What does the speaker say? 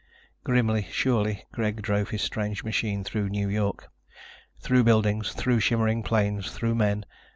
Grimly, surely, Greg drove his strange machine through New York. Through buildings, through shimmering planes, through men.